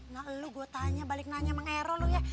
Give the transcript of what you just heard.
nah lu gua tanya balik nanya emang ero lu ya